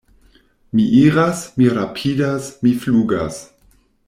Mi iras, mi rapidas, mi flugas!